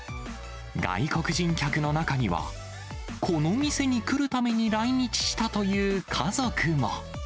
外国人客の中には、この店に来るために来日したという家族も。